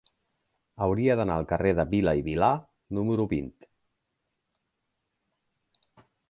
Hauria d'anar al carrer de Vila i Vilà número vint.